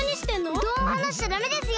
うどんをはなしちゃダメですよ！